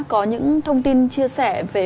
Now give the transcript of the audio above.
có những thông tin chia sẻ về